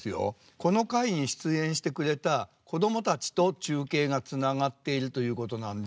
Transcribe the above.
この回に出演してくれた子どもたちと中継がつながっているということなんで。